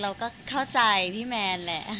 เราก็เข้าใจพี่แมนแหละ